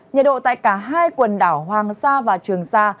nhiệt độ tại cả hai quần đảo hoàng sa và trường sa